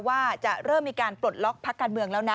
ว่าจะเริ่มมีการปลดล็อกพักการเมืองแล้วนะ